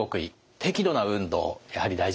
「適度な運動」やはり大事ですか。